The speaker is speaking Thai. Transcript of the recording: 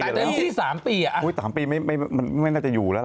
แต่นี่สามปีอ่ะอุ้ยสามปีไม่ไม่มันไม่น่าจะอยู่แล้วล่ะ